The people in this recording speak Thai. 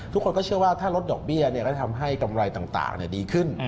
ทุกคนก็เชื่อว่าถ้าลดดอกเบี้ยก็จะทำให้กำไรต่างดีขึ้น